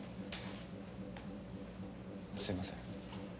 すみません。